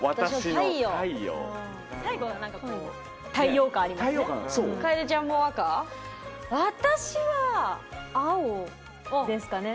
最後、太陽感ありますね。